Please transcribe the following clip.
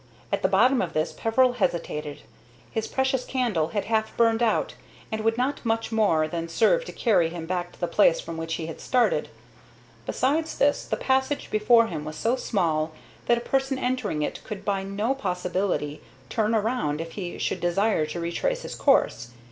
At the bottom of this Peveril hesitated. His precious candle was half burned out, and would not much more than serve to carry him back to the place from which he had started. Besides this, the passage before him was so small that a person entering it could by no possibility turn around if he should desire to retrace his course.